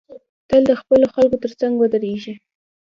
تل د خپلو خلکو تر څنګ ودریږی